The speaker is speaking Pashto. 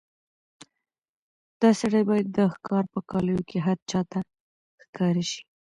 دا سړی باید د ښکار په کالیو کې هر چا ته ښکاره شي.